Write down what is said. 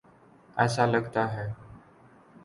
ایسا لگتا ہے۔